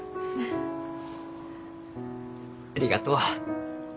ありがとう。